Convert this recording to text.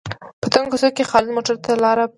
په تنګو کوڅو کې خالد موټرو ته لاره پرېښوده.